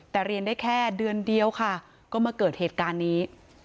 แต่เรียนได้แค่เดือนเดียวค่ะก็มาเกิดเหตุการณ์นี้